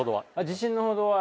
自信のほどは。